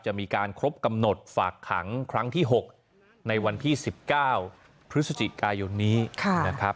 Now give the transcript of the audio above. จะมีการครบกำหนดฝากขังครั้งที่หกในวันที่สิบเก้าพฤศจิกายนี้ค่ะ